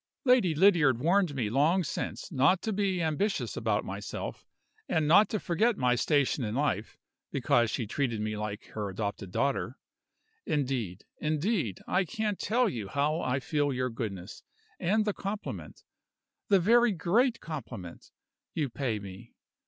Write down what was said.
Lady Lydiard warned me long since not to be ambitious about myself and not to forget my station in life, because she treated me like her adopted daughter. Indeed indeed, I can't tell you how I feel your goodness, and the compliment the very great compliment, you pay me!